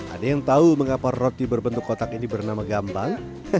ada yang tahu mengapa roti berbentuk kotak ini bernama gambang